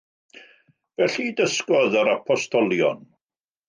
Felly dysgodd yr Apostolion.